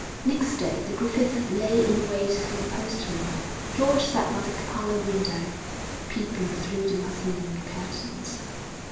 III Next day the Griffiths lay in wait for the postman; George sat by the parlour window, peeping through the muslin curtains.